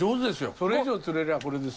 それ以上釣れりゃこれです。